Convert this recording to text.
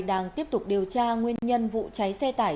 đang tiếp tục điều tra nguyên nhân vụ cháy xe tải